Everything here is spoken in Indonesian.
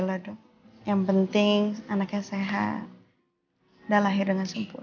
lho dong yang penting anaknya sehat dah lahir dengan sempurna